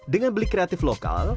dengan beli kreatif lokal